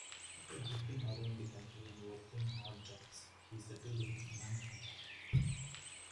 After drifting around the country and working odd jobs, he settled in Manhattan.